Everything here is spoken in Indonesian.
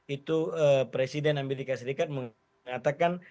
itu presiden amerika serikat mengatakan